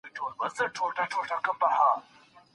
ایا ډېر لوړ ږغ پاڼه ړنګوي؟